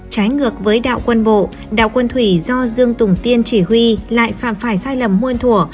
trái ngược với đạo quân bộ đạo quân thủy do dương tùng tiên chỉ huy lại phạm phải sai lầm muôn thủa